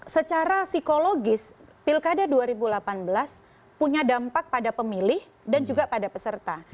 secara psikologis pilkada dua ribu delapan belas punya dampak pada pemilih dan juga pada peserta